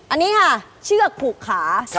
อันนี้ค่ะเชือกผูกขา